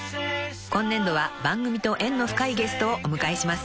［今年度は番組と縁の深いゲストをお迎えします］